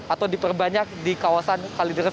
atau diperbanyak di kawasan kalideres